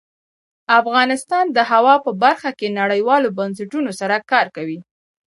افغانستان د هوا په برخه کې نړیوالو بنسټونو سره کار کوي.